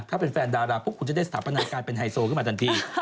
ถ้าเป็นแฟนดาราปุ๊บคุณจะได้สถาปนาการเป็นไฮโซขึ้นมาทันที